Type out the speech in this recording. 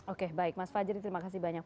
oke baik mas fajri terima kasih banyak